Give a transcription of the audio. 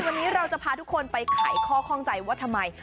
วันนี้เราจะพาทุกคนไปไขข้อข้องใจว่าทำไม